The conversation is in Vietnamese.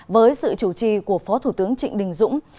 với sự chủ trì của phó thủ tướng trịnh đình dũng